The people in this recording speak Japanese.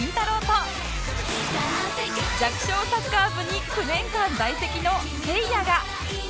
と弱小サッカー部に９年間在籍のせいやが